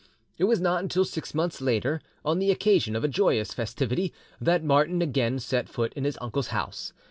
It was not until six months later, on the occasion of a joyous festivity, that Martin again set foot in his uncle's house.